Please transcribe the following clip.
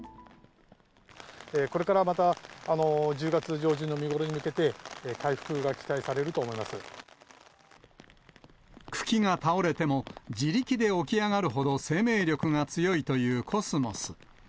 これからまた１０月上旬の見頃に向けて、茎が倒れても、自力で起き上がるほど生命力が強いというコスモス。